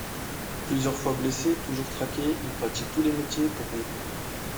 Plusieurs fois blessé, toujours traqué, il pratique tous les métiers pour vivre.